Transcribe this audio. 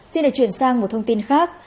xin được chuyển sang một thông tin khác